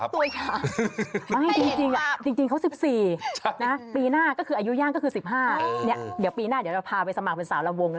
อายุย่างก็คือ๑๕นี่เดี๋ยวปีหน้าเดี๋ยวเราพาไปสมัครเป็นสาวลำวงแล้ว